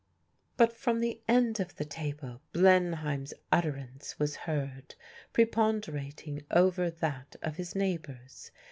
But from the end of the table Blenheim's utterance was heard preponderating over that of his neighbours.